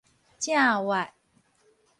正斡